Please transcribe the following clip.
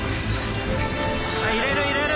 はい入れる入れる！